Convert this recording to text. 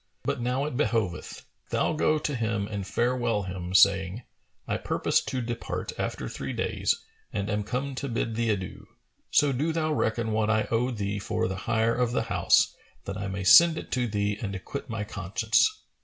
But now it behoveth, thou go to him and farewell him, saying, 'I purpose to depart after three days and am come to bid thee adieu; so do thou reckon what I owe thee for the hire of the house that I may send it to thee and acquit my conscience.'